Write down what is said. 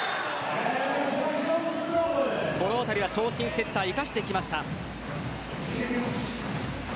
このあたり長身セッターを生かしてきました。